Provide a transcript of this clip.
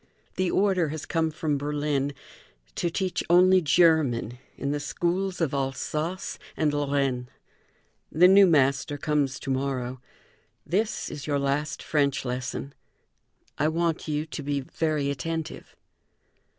The order has come from Berlin to teach only German in the schools of Alsace and Lorraine. The new master comes to morrow. This is your last French lesson. I want you to be very attentive."